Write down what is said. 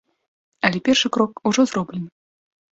Але першы крок ужо зроблены.